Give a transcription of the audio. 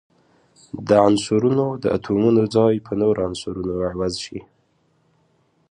د عنصرونو د اتومونو ځای په نورو عنصرونو عوض شي.